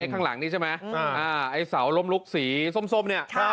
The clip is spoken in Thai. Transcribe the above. ข้างหลังนี้ใช่มั้ยไอ้สาวลมลุกสีส้มเนี่ย